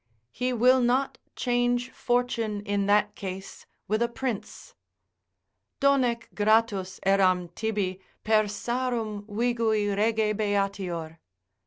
He will not change fortune in that case with a prince, Donec gratus eram tibi, Persarum vigui rege beatior.